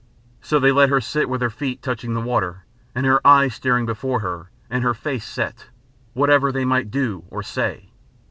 So they let her sit with her feet touching the water, and her eyes staring before her, and her face set, whatever they might do or say.